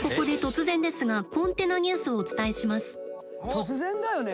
突然だよね。